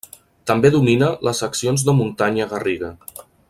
També domina les seccions de muntanya garriga.